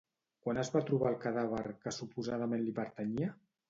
Quan es va trobar el cadàver que suposadament li pertanyia?